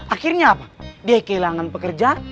akhirnya apa dia kehilangan pekerja